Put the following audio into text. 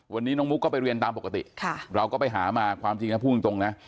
วันนี้น้องมุกก็ไปเรียนตามปกติเราก็ไปหามาความจริงนะพูดตรงนะ